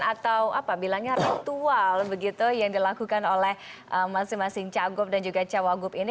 atau apa bilangnya ritual begitu yang dilakukan oleh masing masing cagup dan juga cawagup ini